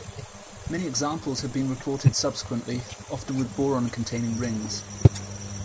Many examples have been reported subsequently, often with boron-containing rings.